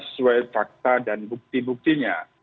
sesuai fakta dan bukti buktinya